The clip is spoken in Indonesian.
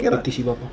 buat petisi bapak